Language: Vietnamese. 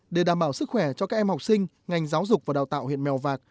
để đảm bảo sức khỏe cho các em học sinh ngành giáo dục và đào tạo huyện mèo vạc